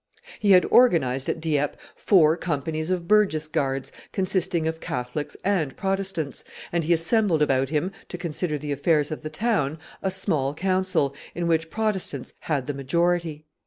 He had organized at Dieppe four companies of burgess guards, consisting of Catholics and Protestants, and he assembled about him, to consider the affairs of the town, a small council, in which Protestants had the majority.